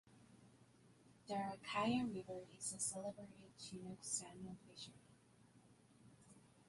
The Rakaia River is a celebrated Chinook salmon fishery.